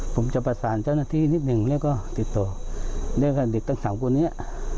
ผมจะประสานเจ้าหน้าที่นิดหนึ่งแล้วก็ติดต่อเรียกกับเด็กทั้งสามคนนี้